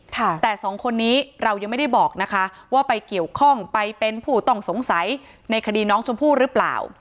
แต่สองคนนี้เรายังไม่ได้บอกนะคะว่าไปเกี่ยวข้องไปเป็นผู้ต้องสงสัยในคดีน้องชมพู่หรือเปล่า